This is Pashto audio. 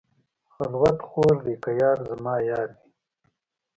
خلوت خوږ دی که یار زما یار وي.